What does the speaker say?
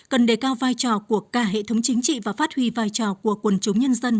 cần đề cao vai trò của cả hệ thống chính trị và phát huy vai trò của quần chúng nhân dân